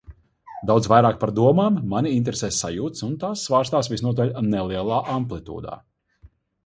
Daudz vairāk par domām mani interesē sajūtas, un tās svārstās visnotaļ nelielā amplitūdā.